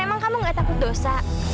emang kamu gak takut dosa